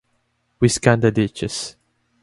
We scan the ditches.